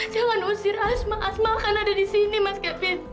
jangan usir asma azmalkan ada di sini mas kevin